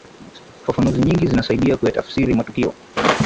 fafanuzi nyingi zinasaidia kuyatafsiri matukio